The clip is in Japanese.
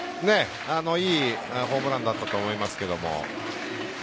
いいホームランだったと思いますけども。